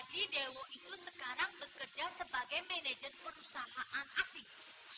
jadi dewo itu sekarang bekerja sebagai manajer perusahaan asing